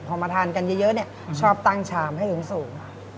พอมาทานกันเยอะเนี่ยชอบตั้งชามให้สูง